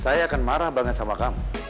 saya akan marah banget sama kamu